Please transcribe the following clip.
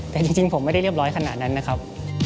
แต่จริงผมไม่ได้เรียบร้อยขนาดนั้นนะครับ